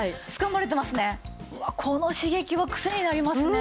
うわこの刺激はクセになりますね。